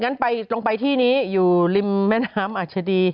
งั้นไปลงไปที่นี้อยู่ริมแม่น้ำอัชดี